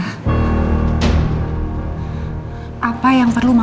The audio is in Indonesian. tapi pada saat kalau nggak ada siapa